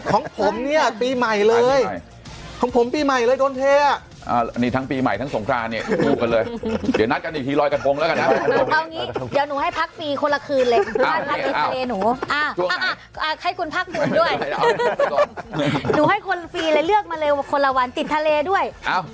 ของผมเนี่ยปีใหม่เลย